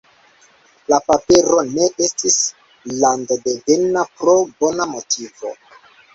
La papero ne estis landodevena, pro bona motivo.